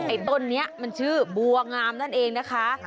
ต้นนี้มันชื่อบัวงามนั่นเองนะคะ